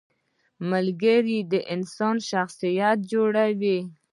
• ملګری د انسان شخصیت جوړوي.